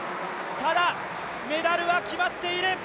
ただメダルは決まっている。